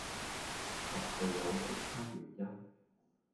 實係有其他原因